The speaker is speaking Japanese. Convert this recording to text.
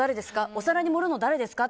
お皿に盛るの誰ですか？